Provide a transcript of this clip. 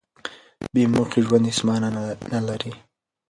بې موخې ژوند هېڅ مانا نه لري.